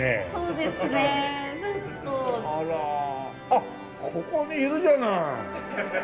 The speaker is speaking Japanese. あっここにいるじゃない！